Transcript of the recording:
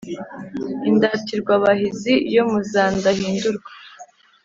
Indatirwabahizi yo mu za Ndahindurwa